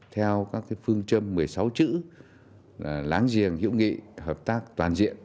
theo các phương châm một mươi sáu chữ là láng giềng hiệu nghị hợp tác toàn diện